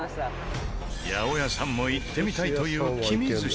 八百屋さんも行ってみたいというきみ寿司。